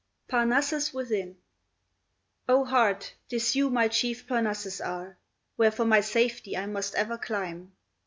PARNASSUS WITHIN O heart, 'tis you my chief Parnassus are, Where for my safety I must ever climb.